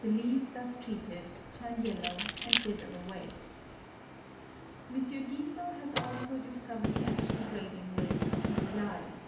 The leaves thus treated turn yellow and wither away. M. Giesel has also discovered the adion of radium rays upon the eye.